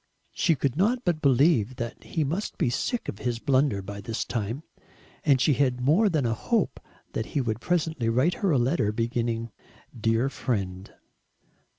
She could not but believe that he must be sick of his blunder by this time; and she had more than a hope that he would presently write her a letter beginning "Dear Friend."